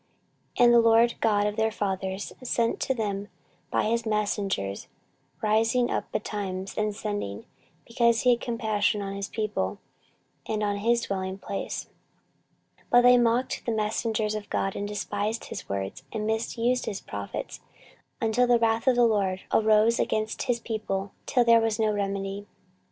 14:036:015 And the LORD God of their fathers sent to them by his messengers, rising up betimes, and sending; because he had compassion on his people, and on his dwelling place: 14:036:016 But they mocked the messengers of God, and despised his words, and misused his prophets, until the wrath of the LORD arose against his people, till there was no remedy.